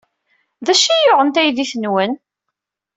D acu ay yuɣen taydit-nwen?